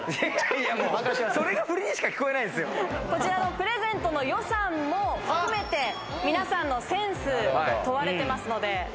プレゼントの予算も含めて皆さんのセンスが問われています。